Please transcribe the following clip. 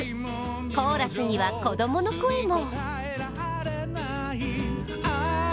コーラスには子供の声も。